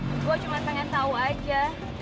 gue cuma pengen tahu aja